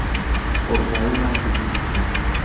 بۆشاییمان پێویست بوو.